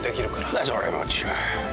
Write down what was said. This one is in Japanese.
それも違う。